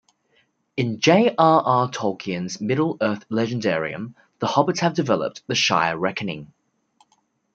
In J. R. R. Tolkien's Middle-earth legendarium, the Hobbits have developed the Shire Reckoning.